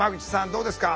どうですか？